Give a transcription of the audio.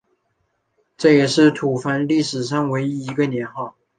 这也是吐蕃历史上唯一一个年号。